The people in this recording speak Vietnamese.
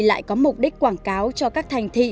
lại có mục đích quảng cáo cho các thành thị